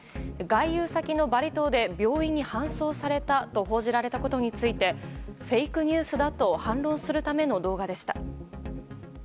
外遊先のバリ島で病院に搬送されたと報じられたことについてフェイクニュースだと反論するための動画でした。